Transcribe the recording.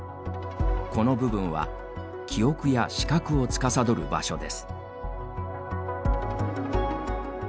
この部分は記憶や視覚をつかさどる場所です。